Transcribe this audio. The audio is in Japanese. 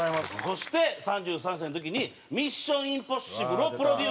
そして３３歳の時に『ミッション：インポッシブル』をプロデュース。